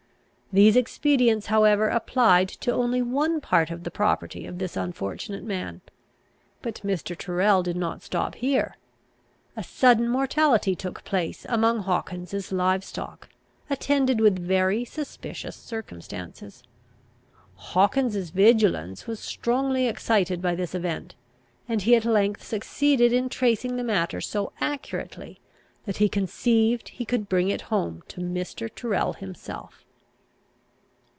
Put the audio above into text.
These expedients, however, applied to only one part of the property of this unfortunate man. But Mr. Tyrrel did not stop here. A sudden mortality took place among Hawkins's live stock, attended with very suspicious circumstances. Hawkins's vigilance was strongly excited by this event, and he at length succeeded in tracing the matter so accurately, that he conceived he could bring it home to Mr. Tyrrel himself.